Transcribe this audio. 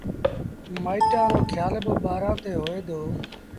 مآئيٚٽآݩ رو کيآل با ٻآرآݩ تي هوئي دو۔